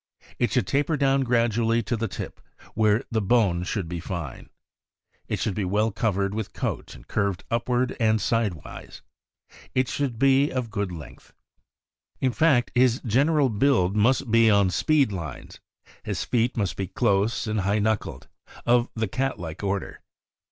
It should taper down gradually to the tip, where the bone should be fine. It should be well covered with coat, and curved upward and sidewise. It should be of good length. In fact, his general build must be on speed lines. His feet must be close and high knuckled, of the cat like order.